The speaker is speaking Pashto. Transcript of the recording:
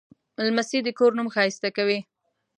لمسی د کور نوم ښایسته کوي.